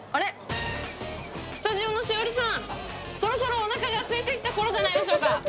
スタジオの栞里さん、そろそろおなかがすいてきたころじゃないでしょうか。